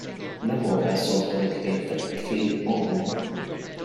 Lavora sotto l'etichetta Ke-on.